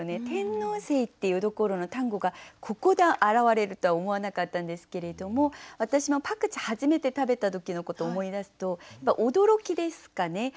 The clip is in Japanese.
「天王星」っていうところの単語がここで現れるとは思わなかったんですけれども私もパクチー初めて食べた時のことを思い出すと驚きですかね。